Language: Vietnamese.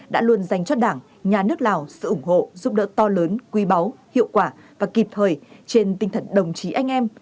đã luôn dành cho đảng nhà nước lào sự ủng hộ giúp đỡ to lớn quý báu hiệu quả và kịp thời trên tinh thần đồng chí anh em